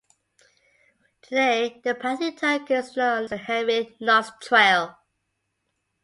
Today, the path he took is known as the Henry Knox Trail.